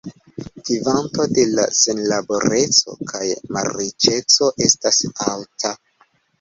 Kvanto de la senlaboreco kaj malriĉeco estas alta.